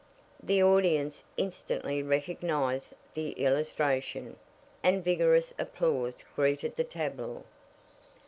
The audience instantly recognized the illustration, and vigorous applause greeted the tableau.